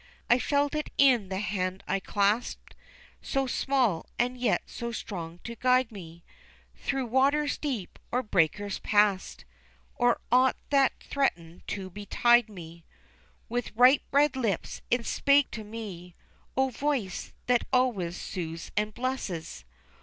I felt it in the hand I clasped, So small, and yet so strong to guide me Through waters deep, or breakers past, Or aught that threatened to betide me. With ripe red lips it spake to me, O voice, that always soothes and blesses!